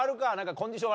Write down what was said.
コンディション